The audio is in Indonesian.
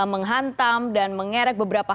menghantam dan mengerek beberapa